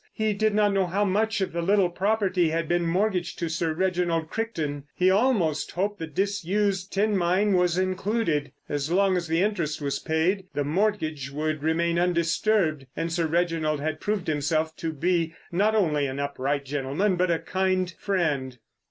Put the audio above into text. He did not know how much of the little property had been mortgaged to Sir Reginald Crichton; he almost hoped the disused tin mine was included. As long as the interest was paid, the mortgage would remain undisturbed; and Sir Reginald had proved himself to be not only an upright gentleman, but a kind friend.